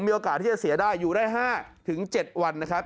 มีโอกาสที่จะเสียได้อยู่ได้๕๗วันนะครับ